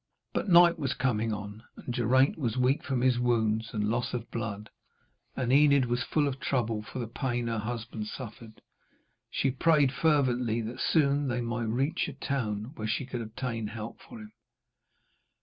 But night was coming on, and Geraint was weak from his wounds and loss of blood, and Enid was full of trouble for the pain her husband suffered. She prayed fervently that soon they might reach a town where she could obtain help for him.